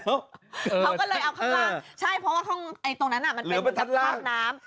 เขาก็เลยเอาข้างล่างใช่เพราะว่าตรงนั้นมันเป็นหลักน้ำ